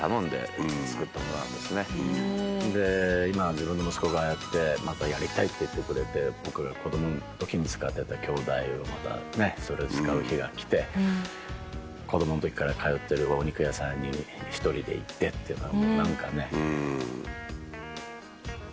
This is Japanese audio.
で今は自分の息子がああやってまたやりたいって言ってくれて僕が子供の時に使ってた鏡台をまた使う日が来て子供の時から通ってるお肉屋さんに一人で行ってっていうのはもう何かね。